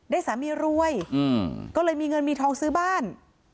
สามีรวยก็เลยมีเงินมีทองซื้อบ้าน